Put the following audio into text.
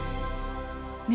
ね